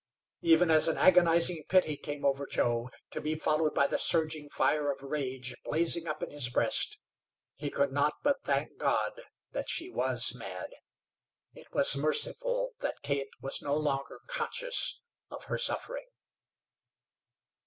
Even as an agonizing pity came over Joe, to be followed by the surging fire of rage, blazing up in his breast, he could not but thank God that she was mad! It was merciful that Kate was no longer conscious of her suffering.